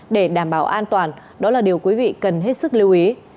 để đảm bảo an toàn đó là điều quý vị cần hết sức lưu ý